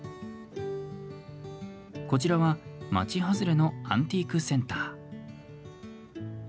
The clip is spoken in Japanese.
こちらは、町外れのアンティークセンター。